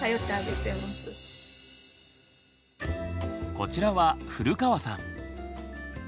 こちらは古川さん。